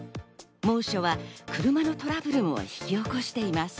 猛暑は車のトラブルも引き起こしています。